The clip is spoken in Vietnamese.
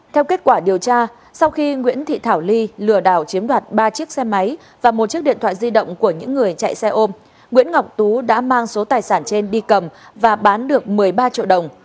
theo kết quả điều tra sau khi nguyễn thị thảo ly lừa đảo chiếm đoạt ba chiếc xe máy và một chiếc điện thoại di động của những người chạy xe ôm nguyễn ngọc tú đã mang số tài sản trên đi cầm và bán được một mươi ba triệu đồng